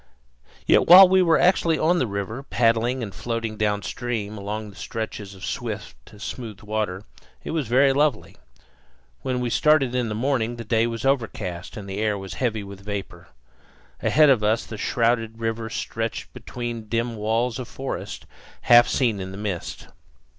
Yet while we were actually on the river, paddling and floating downstream along the reaches of swift, smooth water, it was very lovely. When we started in the morning the day was overcast and the air was heavy with vapor. Ahead of us the shrouded river stretched between dim walls of forest, half seen in the mist.